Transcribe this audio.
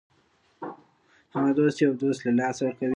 هغه څوک چې یو دوست له لاسه ورکوي.